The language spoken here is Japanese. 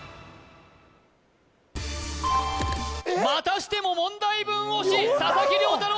またしても問題文押し佐々木涼太郎